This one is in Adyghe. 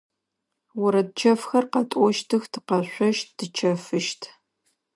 Орэд чэфхэр къэтӏощтых, тыкъэшъощт, тычэфыщт.